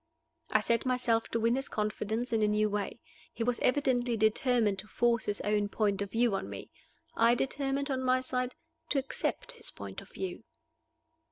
I set myself to win his confidence in a new way. He was evidently determined to force his own point of view on me. I determined, on my side, to accept his point of view.